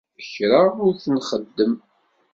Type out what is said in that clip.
Kra ur t-nxeddem.